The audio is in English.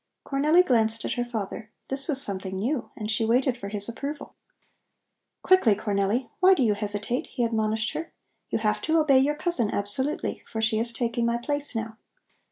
Cornelli glanced at her father. This was something new and she waited for his approval. "Quickly, Cornelli! Why do you hesitate?" he admonished her. "You have to obey your cousin absolutely, for she is taking my place now.